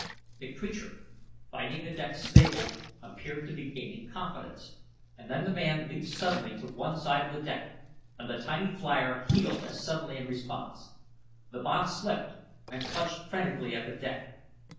The creature, finding the deck stable, appeared to be gaining confidence, and then the man leaped suddenly to one side of the deck and the tiny flier heeled as suddenly in response. The banth slipped and clutched frantically at the deck.